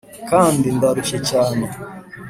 kandi ndarushye cyane